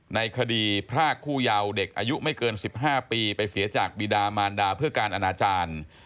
ในคดีพรากผู้เยาว์เด็กอายุไม่เกิน๑๕ปีไปเสียจากบีดามารดาเพื่อการอนาจารย์